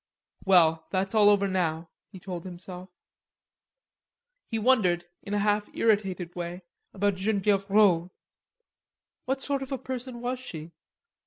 "Well, that's all over now," he told himself. He wondered, in a half irritated way, about Genevieve Rod. What sort of a person was she?